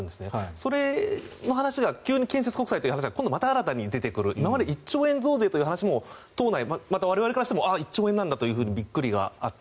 それの話が急に建設国債という話がまた新たに出てくる今まで１兆円増税という話も党内、または我々からしても１兆円なんだというびっくりがあった。